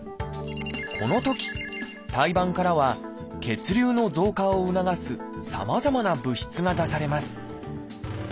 このとき胎盤からは血流の増加を促すさまざまな物質が出されます。